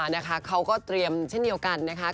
นะคะเขาก็เตรียมเช่นเดียวกันนะคะ